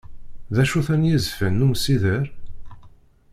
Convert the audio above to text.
D acu-ten yizefan n umsider?